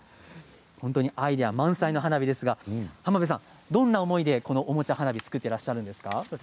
アイデア満載の花火ですが濱邊さんどんな思いでこのおもちゃ花火を作っているんですか？